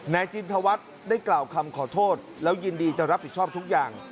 จินทวัฒน์ได้กล่าวคำขอโทษแล้วยินดีจะรับผิดชอบทุกอย่าง